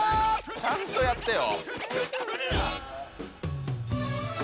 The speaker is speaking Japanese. ちゃんとやってよ！